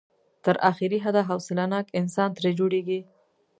تر اخري حده حوصله ناک انسان ترې جوړېږي.